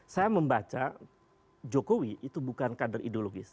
saya membaca jokowi itu bukan kader ideologis